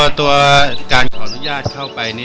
ตัวการขออนุญาตเข้าไป